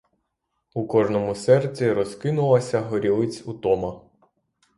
У кожному серці розкинулася горілиць утома.